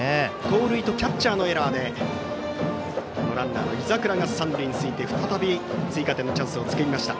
盗塁とキャッチャーのエラーでランナーの井櫻が三塁について再び追加点のチャンスを作りました。